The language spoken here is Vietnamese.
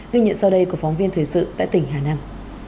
ghi nhận sau đây của phóng viên thời sự tại tỉnh hà nam